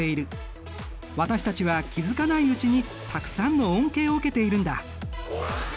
私たちは気付かないうちにたくさんの恩恵を受けているんだ。